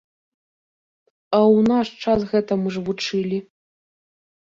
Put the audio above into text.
А ў наш час гэтаму ж вучылі.